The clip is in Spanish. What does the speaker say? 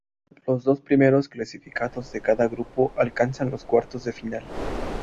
Los dos primeros clasificados de cada grupo alcanzan los cuartos de final.